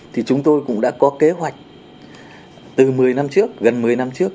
thì chúng tôi cũng đã có kế hoạch từ một mươi năm trước gần một mươi năm trước